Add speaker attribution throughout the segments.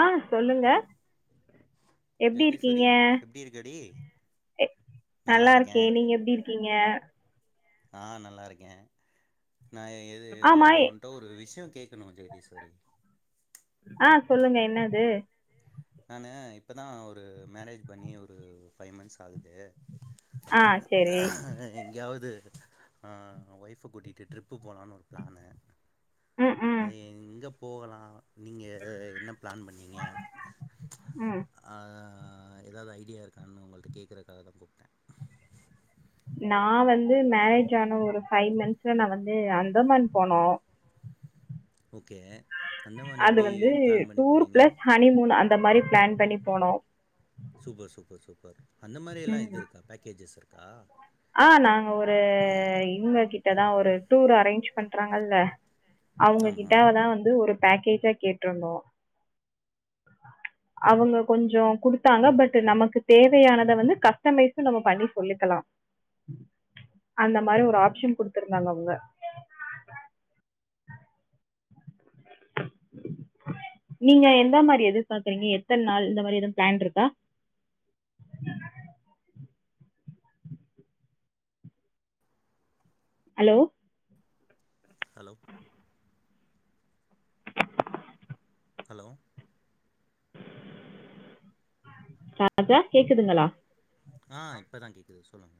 Speaker 1: ஆ சொல்லுங்க எப்டி
Speaker 2: ஜெகதீஸ்வரி
Speaker 1: இருக்கீங்க
Speaker 2: எப்டி இருக்கடி
Speaker 1: நல்லா இருக்கே நீங்க எப்படி இருக்கீங்க
Speaker 2: ஆ நல்லாருக்கே நா எது
Speaker 1: ஆமா
Speaker 2: நான்
Speaker 1: எ
Speaker 2: உன்ட்ட ஒரு விஷயோ கேட்கணு ஜெகதீஸ்வரி
Speaker 1: ஆ சொல்லுங்க என்னது
Speaker 2: நானு இப்பதா ஒரு மேரேஜ் பண்ணி ஒரு ஃபைவ் மந்த்ஸ் ஆகுது
Speaker 1: ஆ சேரி
Speaker 2: எங்யாவது ஒய்ஃப கூட்டிட்டு ட்ரிப்பு போலான்னு ஒரு பிளானு
Speaker 1: ம் ம்
Speaker 2: அது எங்க போலா நீங்க என்ன ப்ளான் பண்ணீங்க
Speaker 1: ம்
Speaker 2: ஆ எதாவது ஐடியா இருக்கான்னு உங்கள்ட கேக்கறக்காக தா கூப்டே
Speaker 1: நா வந்து மேரேஜ் ஆன ஒரு ஃபைவ் மந்த்ஸ்ல நா வந்து அந்தமான் போனோ
Speaker 2: ஓகே அந்தமான்
Speaker 1: [inaudible] அது
Speaker 2: எப்டி
Speaker 1: வந்து
Speaker 2: பிளான் பண்ணி
Speaker 1: டூர்
Speaker 2: போனீங்க
Speaker 1: பிளஸ் ஹனி மூன் அந்த மாரி ப்ளான் பண்ணி போனோ ம்
Speaker 2: சூப்பர் சூப்பர் சூப்பர் அந்த மாதியறல்லா இது இருக்கா பேக்கேஜஸ் இருக்கா
Speaker 1: ஆ நாங்க ஒரு இவுங்க கிட்டதா ஒரு டூர் அரேஞ்ச் பண்றாங்கல்ல அவங்க
Speaker 2: ஆமா
Speaker 1: கிட்டதா வந்து ஒரு பேக்கேஜா கேட்ருந்தோ அவங்க கொஞ்சோ குடுத்தாங்க பட் நமக்கு தேவையானத வந்து கஸ்டமைஸூ நம்ம பண்ணி சொல்லிக்கலா அந்த மாதி ஒரு ஆப்ஷன் குடுத்துருந்தாங்க அவுங்க நீங்க எந்த மாரி எதிர் பாக்குறீங்க எத்தன் நாள் இந்த மாரி எதுவு பிளான் இருக்கா ஹலோ
Speaker 2: ஹலோ ஹலோ
Speaker 1: அ [unintelligible] கேக்குதுங்களா
Speaker 2: ஆ இப்பதா கேக்குது சொல்லுங்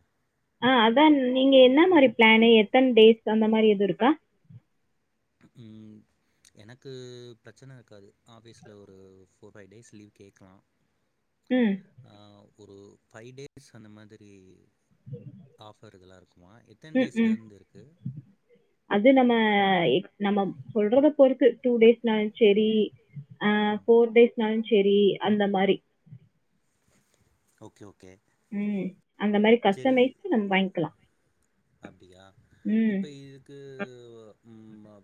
Speaker 1: ஆ அதான் நீங்க என்ன மாரி பிளானு எத்தன் டேஸ் அந்த மாரி எது இருக்கா
Speaker 2: ம் எனக்கு பிரச்சன இருக்காது ஆஃபீஸில ஒரு ஃபோர் ஃபைவ் டேஸ் லீவ் கேக்கலா
Speaker 1: ம்
Speaker 2: அ ஒரு ஃபைவ் டேஸ் அந்த மாதிரி ஆஃபர் இதெலா இருக்குமா எ த்தன்
Speaker 1: ம்ம்.
Speaker 2: டேஸ்லேந்து இருக்கு
Speaker 1: அது நம்ம எக்ஸ் நம்ம சொல்றத பொருத்து டூ டேஸ்னாலு செரி அ
Speaker 2: ம்
Speaker 1: போர் டேஸ்னாலு செரி அந்த மாரி
Speaker 2: ஓகே ஓகே
Speaker 1: ம் அந்த மாதிரி
Speaker 2: செரி
Speaker 1: கஸ்டமைஸ் நம்ம வாங்கிக்கலாம்.
Speaker 2: அப்டியா
Speaker 1: ம்.
Speaker 2: இப்ப இது க்கு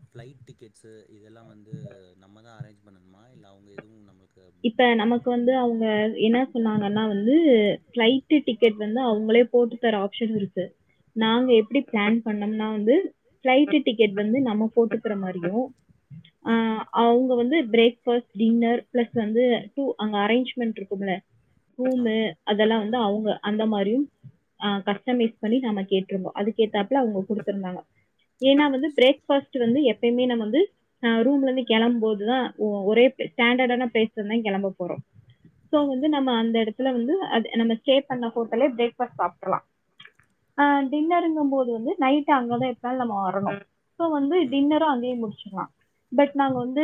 Speaker 2: ஃப்ளைட் டிக்கெட்ஸு இதெல்லா வந்து நம்ம தா அரேஞ்ச் பண்ணணுமா இல்ல அவங்க எதுவு நம்ளுக்கு புக் பண்ணி தருவாங்களா
Speaker 1: சார் என்னா சொன்னாங்கனா வந்து ஃபிளைட்டு டிக்கெட் வந்து அவுங்களே போட்டு தர ஆப்ஷன் இருக்கு
Speaker 2: ம்
Speaker 1: நாங்க எ ப்டி பிளான் பண்ணம்னா வந்து ஃப்ளைட்டு டிக்கெட் வந்து நம்ம போட்டுக்கற மாரியு
Speaker 2: ம்
Speaker 1: அவங்க வந்து பிரேக் ஃபாஸ்ட் டின்னர் பிளஸ் வந்து டூ அங்க அரேஞ்ச் ப மன்ட் இருக்கும்ல ரூமு
Speaker 2: ஆமா
Speaker 1: அதெல்லா வந்து
Speaker 2: ம்
Speaker 1: அவங்க அந்த மாரியும் ஆ கஸ்டமைஸ் பண்ணி நாம கே ட்ருப்போ அதுக்கேத்தாப்ல அவுங்க குடுத்தருந்தாங்க
Speaker 2: ஓகே
Speaker 1: ஏனா வந்து
Speaker 2: ஓகே
Speaker 1: பிரேக்
Speaker 2: சூப்பர்
Speaker 1: பாஸ்ட் வந்து எப் பமே நாம வந்து அ ரூம்ல இருந்து கிளம் போதுதா ஒரே ப்ளே ஸ்டாண்டர்டான ப்ளேஸ்ல தா கிளம்ப போறோ சோ
Speaker 2: ம்
Speaker 1: வந்து
Speaker 2: ம்
Speaker 1: நம்ம அந்த இடத் துல வந்து அது நம்ம ஸ்டே பண்ண ஹோட்டல்லே ப்ரேக்பாஸ்ட் சாப்டர்லா ஆ டின்னருங்க போது இங்க வந்து நைட் அங்கதா எப்னாலு நம்ம வரணு இப்போ வந்து
Speaker 2: ம்
Speaker 1: டின்னரு அங்யே முடிச்சிக்லா பட் நாங்க வந்து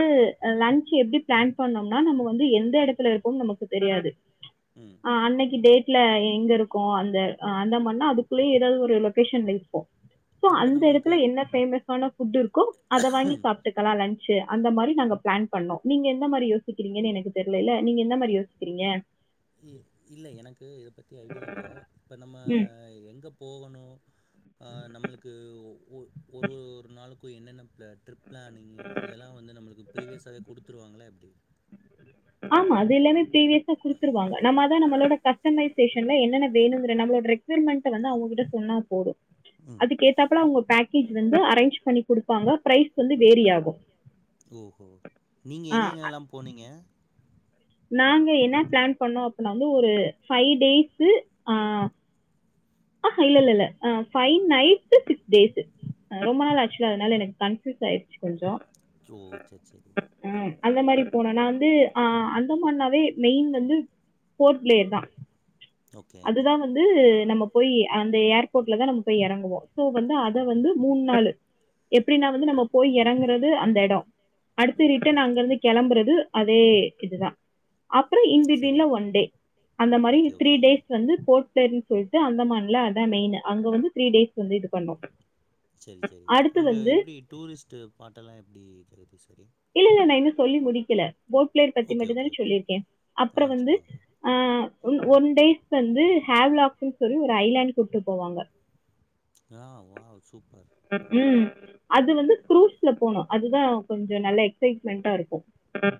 Speaker 1: லஞ்ச் எப்டி பிளான் பண்ணம் னா நம்ம வந்து எந்த எடத்துல இருக்கோம் நமக்கு தெரியாது
Speaker 2: ம்
Speaker 1: ஆ அன்னைக்கி டேட் சில எங்க இருக்கோ அந்த அந்த மான்னா அதுக்குள்ளயே ஏதாவது ஒரு லொகேஷன்ல இப்போ சோ
Speaker 2: இப்ப
Speaker 1: அந்த
Speaker 2: நம்மளுக்கு
Speaker 1: எடத்துல என்ன பேமஸான புட் இருக்கோ அத வாங்கி சாப் ட்டுகலா லஞ்சி அந்த மாரி நாங்க பிளன் பண்ணோ நீங்க எந்த மாரி யோஸ் க்கிறீங்க எனக்கு தெர்லல்ல நீங்க எந்த மாரி யோசிக்கிறீங்க
Speaker 2: இ இல்ல எனக்கு இத பத்தி ஐடியா இல்ல இப்ப நம்ம எங்க போகணு ஆ நம்மளுக்கு ஒ ஒ ஒரு ஒரு நாளுக்கு என்னன்ன ப்ளா ட்ரிப் பிளானிங்கு இதெல்லா வந்து நம்மளுக்கு ப்ரீவியஸாகவே குடுத்துருவாங்களா எப்டி
Speaker 1: ஆமா அது எல்லாமே பீவியஸா குடுத்துருவாங்க நம்ம ஈதா நம்மளோட கஸ்டமைசேஷன்ல என்னன்ன வேணுங்ற நம்மளோட ரெக் வெர்மென்ட வந்து அவங்ககிட்ட சொன்னா போது
Speaker 2: ம்
Speaker 1: அதுக் கேத்தாப்பல அவங்க பேக்கேஜ் வந்து அரேஞ் பண்ணி குடுப்பாங்க பிரைஸ் வந்து வேரி ஆகும்.
Speaker 2: ஓஹோ நீங்க
Speaker 1: ஆ
Speaker 2: எங்கெங்க எல்லா போனீங்க
Speaker 1: நாங்க என்னா பிளன் பண்ணோ அப்னா வந்து ஒரு ஃபைவ் டேஸ்
Speaker 2: இது
Speaker 1: ஆ இல்லல்ல ஆ பைவ் நைட்
Speaker 2: [unintelligible] சிக்ஸ் டேஸ்
Speaker 1: ரொம்ப நாள் ஆச்சுல்லா அதனால எனக்கு கன்ஃயூஸ் ஆயிருச்சி கொஞ்சோ
Speaker 2: ஜோ செர்ச்செரி
Speaker 1: ஆ அந்த மாரி போன நா வந்து ஆ அந்தமான்னாவே மெயின் வந்து போர்ட் பிளேயர் தா
Speaker 2: ஓகே
Speaker 1: அதுதா வந்து நம்ம போய் அந்த ஏர்போர்ட்லதா நம்ம போய் எறங்குவோ சோ வந்து அத வந்து மூண் நாளு எப்டினா வந்து நம்ம போய் எறங்குறது அந்த எடோ அடுத்து ரிட்டன்
Speaker 2: ஓக்
Speaker 1: அங்க இருந்து கெளம்புறது அதே இதுதா அப்புறோ இன்
Speaker 2: சரி
Speaker 1: பிட்வின்லா ஒன் டே அந்த மாரி
Speaker 2: ஓகே
Speaker 1: த்ரீ
Speaker 2: ஓகே
Speaker 1: டேஸ் வந்து போஸ்ட் பிளேயர்ன் சொல்ட் டு அந்தமான்ல அதா மெயினு அங்க வந்து த்ரீ டேஸ் சொல்லிட்டு பண்ணோ
Speaker 2: சரி சரி
Speaker 1: அடுத்து
Speaker 2: அங்க
Speaker 1: வந்து
Speaker 2: எப்டி டூரிஸ்ட்டு பாட்டெல்லா எப்டி தெரிது சகோதரி
Speaker 1: இல்லல்ல நா இன்னு சொல்லி முடிக்கல போட் பிளேர் பத்தி
Speaker 2: ஓகே ஓகே
Speaker 1: மட்டுதான
Speaker 2: ஓகே
Speaker 1: சொல்லிருக்க அப்புற
Speaker 2: ஆ
Speaker 1: வந்து
Speaker 2: சொல்லுங்க
Speaker 1: ஆ ஒன் டேஸ் வந்து ஹாவ் லாக்ன்னு சொல்லி ஒரு ஐலேண்ட் கூப்டுட்டு போவாங்க
Speaker 2: ஆ வாவ் சூப்பர்
Speaker 1: ம்க்கும் கும் அது வந்து குரூஸ்ல போனு அதுதா கொஞ்ச நல்ல எக்சைட்மெண்டா இருக்கு அ ஹ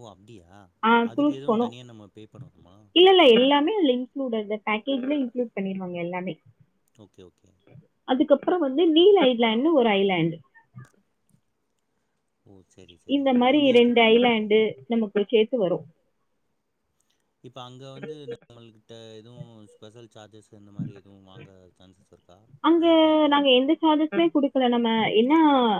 Speaker 2: ஓ அப்டியா
Speaker 1: ஆ
Speaker 2: அதுக்கு
Speaker 1: டூஸ்
Speaker 2: எதுவு
Speaker 1: போணு
Speaker 2: தனியா நம்ம பே பண்ணணுமா
Speaker 1: இல்லல்ல எல்லாமே இங் ளூட் அந்த பேக்கேஜ்ல இங்க்ளூட் பண்ணிடுவாங்க எல்லாமே
Speaker 2: ஓகே ஓகே
Speaker 1: அதுக்கப்ரோ வந்து நீல் ஐலேண்னு ஒரு ஐலேண்டு
Speaker 2: ஓ செரி
Speaker 1: இந்த மாரி ரெண்டு ஐலேண்டு நமக்கு சேத்து வரு
Speaker 2: இப்ப அங்க வந்து நம்மள்கிட்ட எது ஸ்பெஷல் சார்ஜஸ் இந்த மாரி எதுவு வாங்க சான்சஸ் இருக்கா
Speaker 1: அங்க
Speaker 2: எதுக்காவது
Speaker 1: நாங்க எந்த சார்ஜஸ்சே குடுக்கல நம்ம என்னா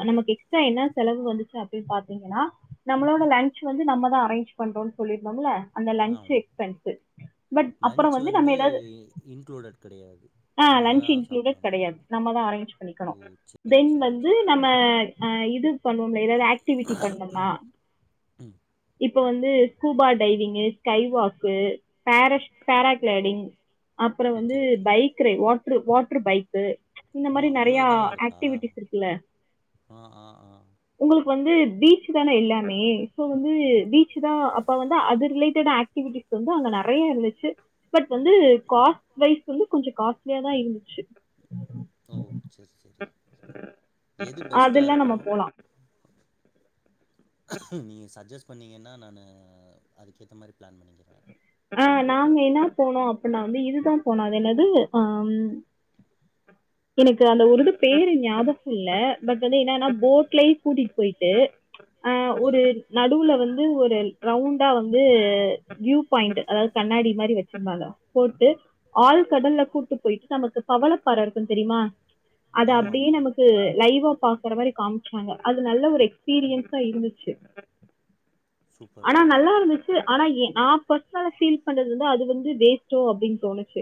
Speaker 1: நமக்கு எக்ஸ்ட்ரா என்ன செலவு வந்துச்சி அப்டி பாத்தீங்கனா நம்மளோட
Speaker 2: ஆ
Speaker 1: லஞ்ச் வந்து நம்மதா அரேஞ்சி பண்றோன் சொல்லிருந்தமில்ல அந்த லஞ்ச்
Speaker 2: ஆமா
Speaker 1: எக்ஸ்பென்ஸு பட் அப்புற வந்து நம்ம ஏதாது
Speaker 2: இன்க்ளூடட் கெடையாது
Speaker 1: ஆ
Speaker 2: நம்ம தா
Speaker 1: லன்ச் இன்க்ளூடெட்
Speaker 2: சாப்டணு
Speaker 1: கெடையாது நம்ம தா அரேஞ்ச்
Speaker 2: ஓ
Speaker 1: பண்ணிக்கணு
Speaker 2: சேரி
Speaker 1: தென்
Speaker 2: சேரி
Speaker 1: வந்து நம்ம அ இது பண்ணோம்ல ஏதாவ்து ஆக்டிவிட்டி பண்ணும்னா
Speaker 2: ம்
Speaker 1: இப்ப வந்து ஸ்கூபா டைவிங்கு ஸ்கை வாக்கு பேரஸ் பேரா கிளைடிங் அப்புற வந்து
Speaker 2: ஓகே ஓகே
Speaker 1: பைக் கி வாட்ரு வாட்டரு பைக்கு இந்த
Speaker 2: ஓ
Speaker 1: மாரி
Speaker 2: அவ்ளோ
Speaker 1: நெறைய
Speaker 2: இதெல்லா இருக்கா
Speaker 1: ஆக்டிவிட்டிஸ் இருக்குல்ல
Speaker 2: ஆ ஆ ஆ
Speaker 1: உங்ளுக்கு வந்து பீச் தான எல்லாமே சோ வந்து பீச்சு தா அப்ப வந்து அது ரிலேட் டடு ஆக்டிவிட்டிஸ் வந்து அங்க நெறைய இருந்துச்சு பட் வந்து காஸ்ட் வைஸ் வந்து கொஞ்ச காஸ்ட்லியா தா இருந்துச்சு
Speaker 2: ஓ சேரி சேரி எது
Speaker 1: அதெல்லாம்
Speaker 2: பெஸ்ட்டாருக்கு
Speaker 1: நம்ம போகலாம்
Speaker 2: நீங்க சட்ஜெஸ்ட் சொன்னிங்கன்னா நானு அதுக்கேத்த மாரி பிளான் பண்ணிக்கிறே
Speaker 1: ஆ நாங்க என்ன போனோ அப்பின்னா வந்து இதுதா போனோ அது என்னது ஆ எனக்கு அந்த ஒருது பேரு ஞாபக இல்ல பட் வந்து என்னன்னா போட்லை கூட்டிட்டு போயிட்டு ஆ ஒரு
Speaker 2: ம்
Speaker 1: நடுவுல வந்து ஒரு ரவுண் டா வந்து வியூவ் பாயிண்டு அதாவது கண்ணாடி மாரி வச்சிருந்தாங்க போட்டு ஆள் கடல்ல கூட்டு போயிட்டு நமக்கு பவளப்பாற இருக்கு தெரியுமா அத
Speaker 2: ஆமா
Speaker 1: அப்டியே
Speaker 2: ஆமா
Speaker 1: நமக்கு லைவா பாக்குற மாரி காமிச்சாங்க அது நல்ல ஒரு எக்ஸ் பீரியன்ஸா இருந்துச்சு
Speaker 2: சூப்பர்
Speaker 1: ஆனா
Speaker 2: சூப்பர்
Speaker 1: நல்லா இருந்துச்சு ஆனா எ நா பத் தல ஃபீல் பண்றது வந்து அது வந்து வேஸ்டோ அப்டின் தோனுச்சு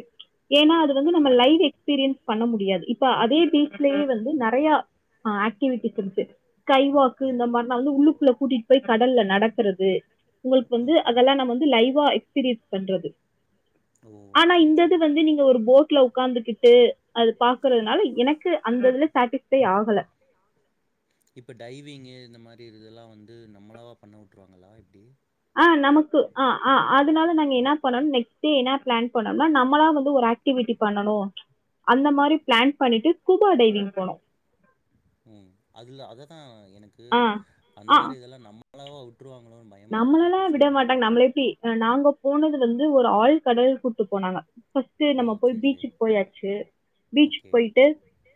Speaker 1: ஏனா அது வந்து நம்ம
Speaker 2: ஓ
Speaker 1: லைவ்வே எக்ஸ்பீரியன்ஸ் பண்ண முடியாது இப்ப அதே பீச்லயே வந்து நெறைய ஆக்டிவிட்டிஸ் இருக்கு ஸ்கை வாக்கு
Speaker 2: ம்
Speaker 1: இந்த மார்லா வந்து உள்ளுக்குள்ள கூட்டிட்டு போயி கடல்ல நடக்கறது உங்களுக்கு வந்து
Speaker 2: ம் ம்
Speaker 1: அதெல்லா நம்ம வந்து லைவா எக்ஸ்பீரியன்ஸ் பண்றது
Speaker 2: ஓ
Speaker 1: ஆனா
Speaker 2: சேரி
Speaker 1: இந்தது
Speaker 2: சேரி
Speaker 1: வந்து நீங்க ஒரு போட்ல உக்காந்துக்கிட் டு அது பாக்குறதுனால எனக்கு அந்த இதுல சேட்டிஸ்பை ஆகல
Speaker 2: அப்டியா இப்ப டைவிங்கு இந்த மாரி இதுதுலா வந்து நம்மளாவா பண்ண விட்ருவாங்களா எப்டி
Speaker 1: ஆ நமக்கு ஆ ஆ அதனால நாங்க என்ன பண்ணோமன் நெக்ஸ்ட் டே என்ன பிளான் பண்ணோனா நம்மளா வந்து ஒரு ஆக்ட் டிவிட்டி பண்ணனு அந்த மாரி பிளான் பண்ணிட்டு ஸ்கூபா டைவிங் போனோம்
Speaker 2: ம் அதுலா அததா எனக்கு
Speaker 1: ஆ
Speaker 2: அந்த மாரி இதெல்லா நம் சோலோவா வுட்ருவாங்களோனு பயந்
Speaker 1: நம்ளலா விட மாட்டாங்க நம்மள எப்டி நாங்க போனது வந்து ஒரு ஆள் கடல் கூட்டு போனாங்க ஃபர்ஸ்ட்டு
Speaker 2: ஓ!
Speaker 1: நம்ம போய்
Speaker 2: சரி, சரி.
Speaker 1: பீச்சுக்கு போயாச்சு பீச்சுக்கு
Speaker 2: ஓகே.
Speaker 1: போயிட்டு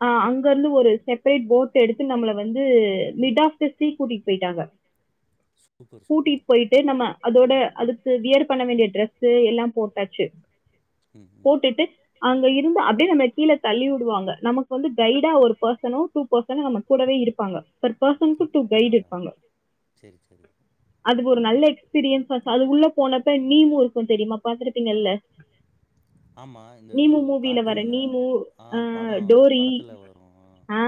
Speaker 1: ஆ அங்கருந்து ஒரு செப்ரேட் போட் எடுத்து நம்மள வந்து மிட் ஆப் த சீ கூட்டிட் போய்ட்டாங்க
Speaker 2: சூப்பர்,
Speaker 1: கூட்டிட்
Speaker 2: சூப்பர்.
Speaker 1: போயிட்டு நம்ம அதோட அதுக்கு வியர் பண்ண வேண்டிய ட்ரெஸ்ஸு எல்லா போட்டாச்சு
Speaker 2: ம், ம்.
Speaker 1: போட்டுட்டு அங்க இருந்து அப்டியே நம்மள கீழ தள்ளி வுடுவாங்க நமக்கு வந்து கைடா ஒரு பெர்சனோ டூ பெர்சனோ நம்மக் கூடவே இருப்பாங்க பெர் பெர்சனுக்கு டூ கைடு இருப்பாங்க
Speaker 2: சேரி சேரிங்க
Speaker 1: அது ஒரு நல்ல எக்ஸ்பீரியன்ஸா அது உள்ள போனப்ப நீமு இருக்கு தெரியுமா பாத்துருப்பீங்கல்ல
Speaker 2: ஆமா, இந்த
Speaker 1: நீமு மூவில வர
Speaker 2: கார்ட்டூன்ல
Speaker 1: நீமு
Speaker 2: ஆ
Speaker 1: அ
Speaker 2: படம்
Speaker 1: டோரி
Speaker 2: படத்துல வரும்.
Speaker 1: ஆ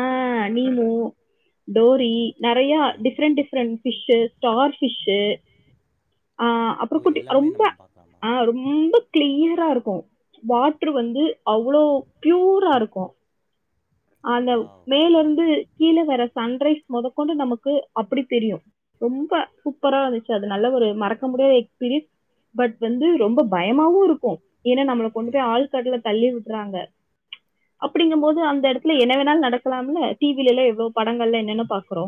Speaker 1: நீமு டோரி
Speaker 2: ஓகே, ஓகே.
Speaker 1: நெறைய
Speaker 2: ஆ.
Speaker 1: Different different fish star fish ஆ அப்பறோ
Speaker 2: ஓ!
Speaker 1: குட்டி
Speaker 2: எல்லாமே
Speaker 1: ரொம்ப
Speaker 2: நம்ம பாக்கலாமா?
Speaker 1: ஆ ரொம் ரொம்ப கிளியரா இருக்கு வாட்ரு வந்து அவ்வளோ ப்யூரா இருக்கு அந்த
Speaker 2: வாவ்! ம்,
Speaker 1: மேலருந்து கீழ வர்ற சன்ரைஸ் மொதக்கொண்டு நமக்கு அப்டி தெரியு ரொம்ப சூ ப்பரா இருந்துச்சு அது நல்ல ஒரு மறக்க முடியாத எக்ஸ்பீரியன்ஸ் பட் வந்து ரொம்ப பயமாவு இருக்கு ஏனா நம்மள கொண்டு
Speaker 2: ம்,
Speaker 1: போய்
Speaker 2: ம்.
Speaker 1: ஆழ்கடல்ல தள்ளி விட்றாங்க அப்டிங்கம் போது அந்த எடத் துல என்ன வேணாலு நடக்கலாம்ல டி வி லைலா எவ்ளோ படங்கள்லா என்னென்ன பாக்குறோ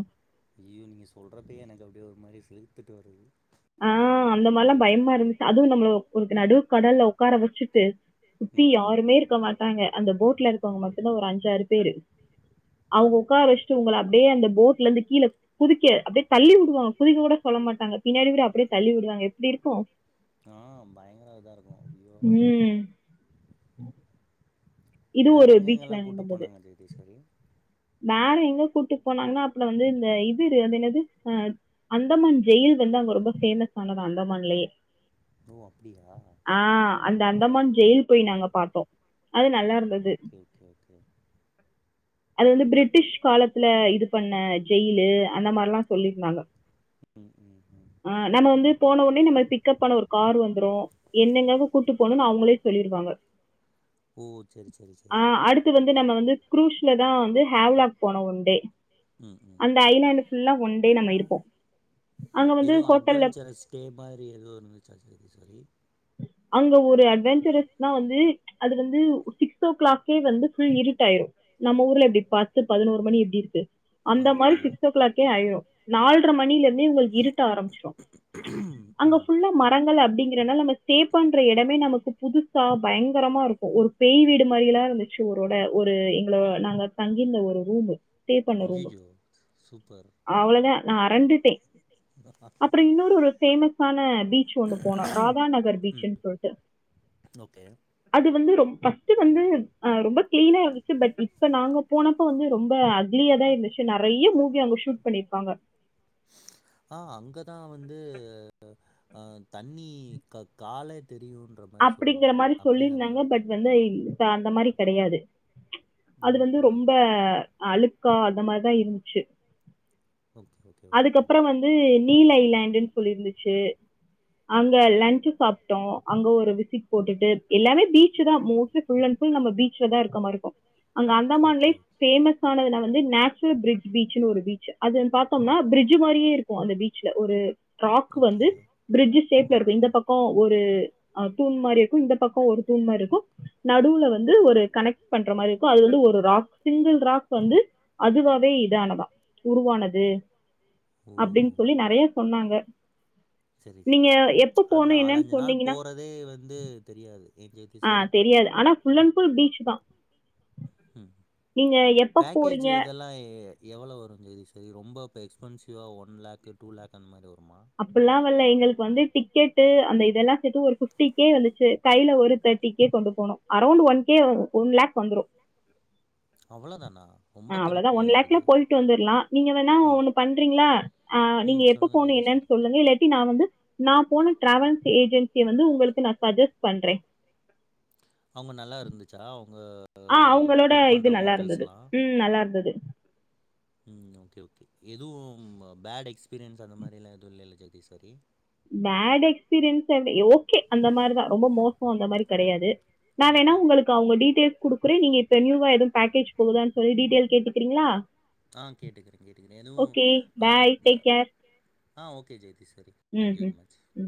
Speaker 2: ஐயோ நீங்க சொல்றப்பயே எனக்கு அப்டியே ஒரு மாரி சிலிர்த்துட்டு வருது
Speaker 1: ஆ அந்த மார்லா பயமா இருந்துச்சு அதுவு நம்மள ஒரு நடு கடல்ல உக்கார வச்சுட்டு சுத்தி
Speaker 2: ம் ம்
Speaker 1: யாருமே இருக்க மாட்டாங்க அந்த போட்ல இருக்கவங்க
Speaker 2: ம்
Speaker 1: மட்டுந்தா ஒரு அஞ்சாறு பேரு அவங்க உக்கார வச்சட்டு உங்கள அப்டியே அந்த போட்லந்து கீழே குதிக்க அப்டியே தள்ளி விடுவா குதிக்க கூட சொல்ல மாட்டாங்க பின்னாடி கூட அப்டியே தள்ளி விடுவாங்க எப்டி இருக்கு
Speaker 2: ஆ பயங்கர இதா இருக்கு ஐயோ
Speaker 1: ம் இது ஒரு
Speaker 2: வேறு
Speaker 1: பீச்ல
Speaker 2: எங்கெங்கெல்லா கூட்டு
Speaker 1: நடந்தது
Speaker 2: போனாங்க ஜெகதீஸ்வரி
Speaker 1: வேற எங்க கூட்டு போனாங்கன்னா அப்பல வந்து இந்த இதுரு அது என்னது அ அந்தமான் ஜெயில் வந்து அங்க ரொம்ப ஃபேமஸ் ஆனதா அந்தமான்லேயே
Speaker 2: ஓ அப்டியா
Speaker 1: ஆ அந்த அந்தமான் ஜெயில் போய் நாங்க பாத்தோ அது நல்லாருந்தது
Speaker 2: கே ஓகே
Speaker 1: அது வந்து பிரிட்டிஷ் காலத்துல இது பண்ண ஜெயிலு அந்த மாரில்லா சொல்லிருந்தாங்க
Speaker 2: ம் ம்
Speaker 1: ஆ நம்ம வந்து போனோவுனே நம்ம பிக்க்ப் பண்ண ஒரு கார் வந்துரு என்னங்கங்க கூட்டு போணுன் அவங்களே சொல்லிருவாங்க
Speaker 2: ஓ செரி செரி செரி
Speaker 1: த்து வந்து நம்ம வந்து குரூஸ்லதா வந்து ஹேவ்லாக் போனோ ஒன்டே
Speaker 2: ம் ம்
Speaker 1: அந்த ஐலாண்ட் ஃபுல்லா ஒன்டே நம்ம இருப்போ அங்க வந்து ஹோட்டல்ல
Speaker 2: ட்டே மாரி எதுவ் இருந்துச்சா சொரி சொரி
Speaker 1: அங்க ஒரு அட்வெஞ்சரஸ்னா வந்து அது வந்து சிக்ஸ் ஓ கிளாக்கே வந்து ஃபுல் இருட்டாயிரு நம்ம ஊர்ல எப்டி பத்து பதினோரு மணி எப்டி இருக்கு அந்த மாரி
Speaker 2: ஆமா
Speaker 1: சிக்ஸ் ஓ கிளாக்கே ஆயிரு நால்ர மணில இருந்தே உங்களுக்கு இருட்ட ஆரம்பிச்சிரு அங்க
Speaker 2: ம்
Speaker 1: ஃபுல்லா மரங்கள் அப்டிங் கறனாலே நம்ம ஸ்டே பண்ற எடமே நமக்கு புதுசா பயங்கரமா இருக்கு ஒரு பேய் வீடு மாரியெல்லா இருந்துச்சு ஒரோட ஒரு எங்களோ நாங்க தங்கிந்த ஒரு ரூம்
Speaker 2: ஐயயோ சூப்பர்
Speaker 1: அவ்வளோத நா அறண்டுட்டே
Speaker 2: [unintelligible]
Speaker 1: அப்பறோ இன்னொரு ஒரு ஃபேமஸான பீச் ஒன்னு போனோ ராதாநகர் பீச்சுன் சொல்ட்டு
Speaker 2: ஓகே
Speaker 1: அது வந்து ரொம் ஃபஸ்ட் வந்து அ ரொம்ப கிளீனா இருந்துச்சு பட் இப்ப நாங்க போன ப்போ வந்து ரொம்ப அக்லியாதா இருந்துச்சு நெறைய மூவி அங்க ஷூட் பண்ணிருப்பாங்க
Speaker 2: ஆ அங்கதா வந்து ஆ தண்ணி கா காலே தெரியும்ன்றப்
Speaker 1: அப்டிங்ற மாரி சொல்லியிருந்தாங்க பட் வந்து இப்ப அந்த மாரி கெடையாது அது வந்து
Speaker 2: ஓஹோ!
Speaker 1: ரொம்ப அழுக்கா அந்த மாரிதா இருந்துச்சு
Speaker 2: ஓகே ஓக்
Speaker 1: அதுக்கப்றோ வந்து நீல் ஐலாண்டுன்னு சொல்லிருந்துச்சு அங்க லன்ட்சு சாப்பிட்டோ அங்க ஒரு விசிட் போட்டுட்டு எல்லாமே பீச்சு தா மோஸ்லி புல் அண்ட் புல் நம்ப பீச் சே தா இருக்க மாரி இருக்கு அங்க அந்தமான்லே
Speaker 2: ஓகே, ஓகே.
Speaker 1: பேமஸ் னது வந்து நேச்சுரல் பிரிட் பீச்சுனு ஒரு பீச் அது பாத்தோம்னா பிரிட் மாரியே இருக்கு அந்த பீச்ல ஒரு ராக்
Speaker 2: ஓகே.
Speaker 1: வந்து பிரிட்ஜ் ஷேப்ல
Speaker 2: ம்,
Speaker 1: இருக்கு இந்த
Speaker 2: ம்.
Speaker 1: பக்கோ ஒரு அ தூண் மாரி இருக்கு இந்த பக்கோ ஒரு தூண் மாரி இருக்கு நடுவுல வந்து ஒரு கனெக்ட் பண்ற மாரி இருக்கு அது வந்து ஒரு ராக் சிங்கிள் ராக் வந்து அதுவாவே இதானதா உருவானது
Speaker 2: ஓ!
Speaker 1: அப்டின்னு சொல்லி நெறைய சொன்னாங்க
Speaker 2: சேரி
Speaker 1: நீங்க
Speaker 2: சேரி
Speaker 1: எப்ப
Speaker 2: அ
Speaker 1: போணும் என்னன்னு
Speaker 2: நாலஞ்சு நாள்
Speaker 1: சொன்னீங்கன்னா
Speaker 2: போறதே வந்து தெரியாது ஏன்
Speaker 1: ஆ
Speaker 2: ஜெகதீஸ்வரி?
Speaker 1: தெரியாது ஆனா ஃபுல் அண்ட் ஃபுல் பீச் தா
Speaker 2: ம் பேக்கேஜ்
Speaker 1: போறீங்க?
Speaker 2: இதெல்லா எவ்ளோ வரு ஜெயஸ்டி ரொம்ப இப்போ எக்ஸ்பென்சிவா ஒன் லாக்கு டூ லாக் அந்த மாரி வருமா
Speaker 1: அப்படிலா வல்ல எங்களுக்கு வந்து டிக்கெட்டு அந்த இதெல்லா சேத்து ஒரு பிப்டி கே வந்துச்சு கையில ஒரு தேர்டி கே கொண்டு போனோ around one K one lakh வந்துரு
Speaker 2: அவ்வளோதானா? ரொம்ப
Speaker 1: ஆ அவ்வளவுதா
Speaker 2: கம்மியா
Speaker 1: ஒன் லாக்ல
Speaker 2: இருக்குது.
Speaker 1: போயிட்டு வந்துரலா நீங்க வேணா
Speaker 2: ம்.
Speaker 1: ஒண்ணு பண்றீங்களா ஆ நீங்க
Speaker 2: ம்.
Speaker 1: எப்ப
Speaker 2: சொல்லுங்க
Speaker 1: போணு
Speaker 2: ஜெகதீஸ்வரி.
Speaker 1: எனான்னு சொல் லுங்க இல்லாட்டி நா வந்து நா போன டிராவல்ஸ் ஏஜென்சிய வந்து உங்களுக்கு நா சஜஸ்ட் பண்றே
Speaker 2: ஆமா நல்லா இருந்துச்சா அவுங்க
Speaker 1: ஆ அவுங்களோட இது நல்லா இருந்தது ம் நல்லா இருந்தது
Speaker 2: ம் ஓகே ஓகே எதுவு ஃபேட் எக்ஸ்பீரியன்ஸ் அந்த மாரிலா எதுவு இல்லல Jagadeeswari
Speaker 1: bad experience okay அந்த மாரிதா ரொம்ப மோசோ அந்த மாரி கிடையாது நா வேணா
Speaker 2: ஓகே.
Speaker 1: உங்களுக் கு அவுங்க டீடேல்ஸ் குடுக்குறே நீங்க இப்ப நியூவா எதுவு பேக்கேஜ் போகுதான்னு சொல்லி டீடெயில் கேட்டுக்கிறீங்களா
Speaker 2: ஆ கேட்டுக்கறே கேட்டுக்கறே எதுவு
Speaker 1: ஓகே
Speaker 2: ஆ
Speaker 1: பாய் டேக் கேர்
Speaker 2: ஆ ஓகே ஜெகதீஸ்வரி
Speaker 1: ம்
Speaker 2: தேங்க் யூ
Speaker 1: ம்
Speaker 2: வெரி மச்
Speaker 1: ம்